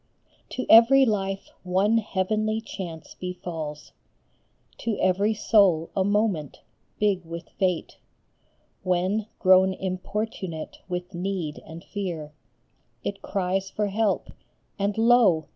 To every life one heavenly chance befalls ; To every soul a moment, big with fate, When, grown importunate with need and fear, 1 8 LOHENGRIN. It cries for help, and lo